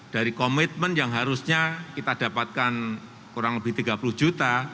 dari komitmen yang harusnya kita dapatkan kurang lebih tiga puluh juta